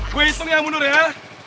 gua hitung yang mundur ya